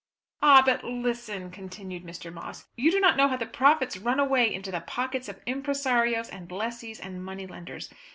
"Ah, but listen!" continued Mr. Moss. "You do not know how the profits run away into the pockets of impresarios and lessees and money lenders.